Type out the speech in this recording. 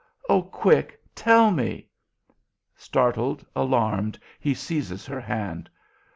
Oh, quick! Tell me." Startled, alarmed, he seizes her hand.